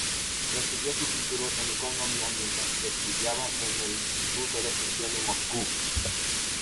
Recibió su título en economía mientras estudiaba en el Instituto de gestión de Moscú.